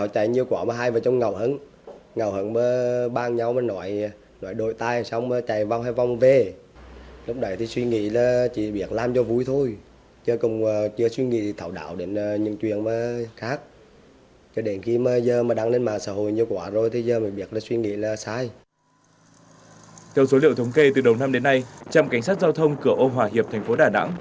theo số liệu thống kê từ đầu năm đến nay trăm cảnh sát giao thông cửa ô hòa hiệp thành phố đà nẵng